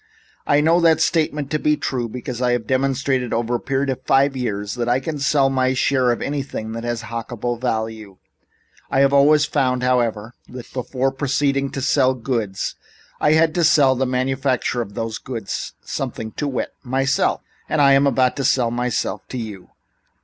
"I know that statement to be true because I have demonstrated, over a period of five years, that I can sell my share of anything that has a hockable value. I have always found, however, that before proceeding to sell goods I had to sell the manufacturer of those goods something, to wit myself! I am about to sell myself to you."